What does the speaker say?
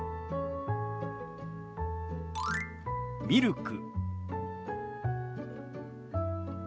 「ミルク」。